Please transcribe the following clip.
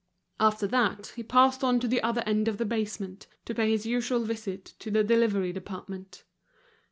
After that, he passed on to the other end of the basement, to pay his usual visit to the delivery department.